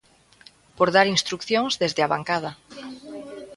Por dar instrucións desde a bancada.